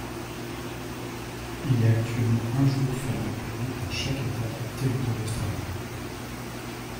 Il est actuellement un jour férié public dans chaque État et territoire australien.